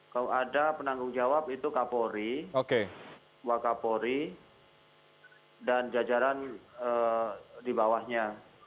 kalau ada penanggung jawab itu kapolri wakapori dan jajaran di bawahnya